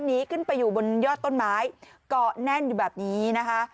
หนีขึ้นไปอยู่บนยอดต้นไม้เกาะแน่นอยู่แบบนี้นะคะ